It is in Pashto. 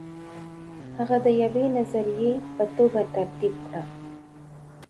هغه دا د یوې نظریې په توګه ترتیب کړه.